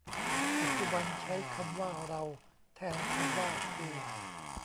ปัจจุบันใช้คำว่า เรา แทนคำว่า กู